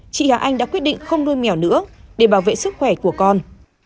chị hà anh đã quyết định không nuôi mẻo nữa để bảo vệ sức khỏe của con